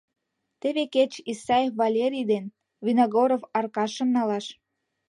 Теве кеч Исаев Валерий ден Виногоров Аркашым налаш...